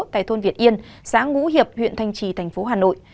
tại thôn việt yên xã ngũ hiệp huyện thanh trì tp hà nội